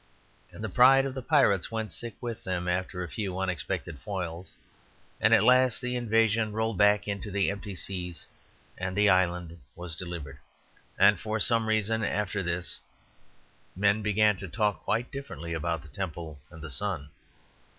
And the pride of the pirates went sick within them after a few unexpected foils; and at last the invasion rolled back into the empty seas and the island was delivered. And for some reason after this men began to talk quite differently about the temple and the sun.